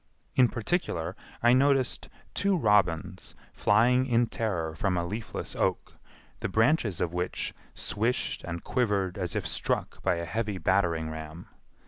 In particular, I noticed two robins flying in terror from a leafless oak, the branches of which swished and quivered as if struck by a heavy battering ram.